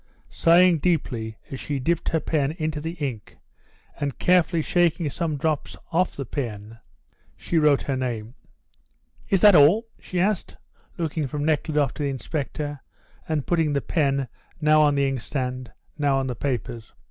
Sighing deeply as she dipped her pen into the ink, and carefully shaking some drops off the pen, she wrote her name. "Is it all?" she asked, looking from Nekhludoff to the inspector, and putting the pen now on the inkstand, now on the papers.